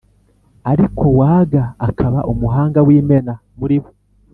ariko waga akaba umuhanga w'imena muri bo